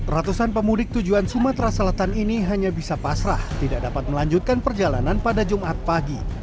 ratusan pemudik tujuan sumatera selatan ini hanya bisa pasrah tidak dapat melanjutkan perjalanan pada jumat pagi